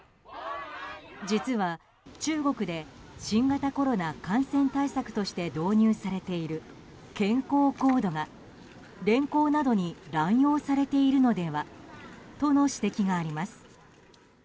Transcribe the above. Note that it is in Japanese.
実は、中国で新型コロナ感染対策として導入されている健康コードが連行などに乱用されているのではとの指摘があります。